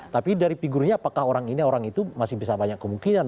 tapi dari figurnya apakah orang ini orang itu masih bisa banyak kemungkinan